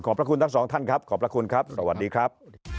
พระคุณทั้งสองท่านครับขอบพระคุณครับสวัสดีครับ